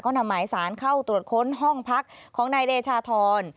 นำหมายสารเข้าตรวจค้นห้องพักของนายเดชาธร